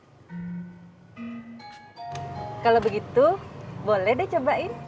kalau begitu boleh deh cobain